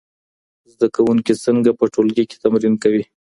زده کوونکي څنګه په ټولګي کي تمرین کوي؟